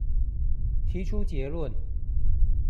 提出結論